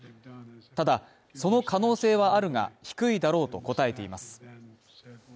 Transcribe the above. ただ、その可能性はあるが低いだろうと答えています。